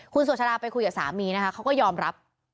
คุณสุชาดาไปคุยกับสามีนะคะเขาก็ยอมรับ